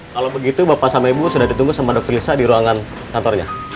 kalau begitu bapak sama ibu sudah ditunggu sama dokter lisa di ruangan kantornya